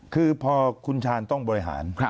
คือพอคุณชาญต้องบริหาร